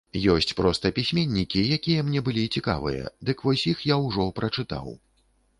Ёсць проста пісьменнікі, якія мне былі цікавыя, дык вось іх я ўжо прачытаў.